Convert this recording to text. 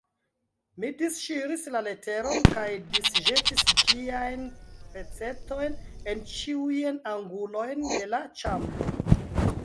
Mi disŝiris la leteron kaj disĵetis ĝiajn pecetojn en ĉiujn angulojn de la ĉambro.